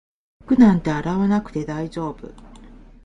服なんて洗わなくて大丈夫